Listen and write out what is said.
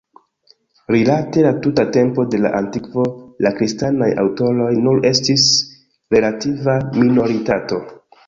Rilate la tuta tempo de la antikvo la kristanaj aŭtoroj nur estis relativa minoritato.